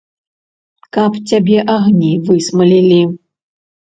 Каб цябе агні высмалілі!